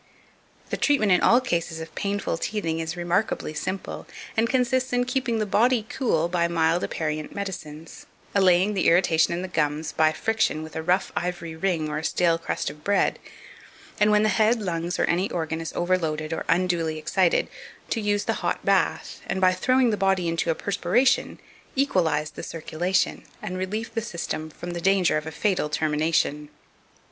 2514. The Treatment in all cases of painful teething is remarkably simple, and consists in keeping the body cool by mild aperient medicines, allaying the irritation in the gums by friction with a rough ivory ring or a stale crust of broad, and when the head, lungs, or any organ is overloaded or unduly excited, to use the hot bath, and by throwing the body into a perspiration, equalize the circulation, and relieve the system from the danger of a fatal termination.